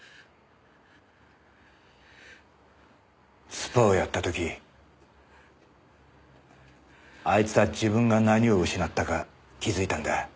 スパーをやった時あいつは自分が何を失ったか気づいたんだ。